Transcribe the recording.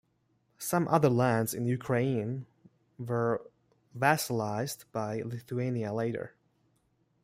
Some other lands in Ukraine were vassalized by Lithuania later.